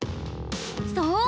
そう！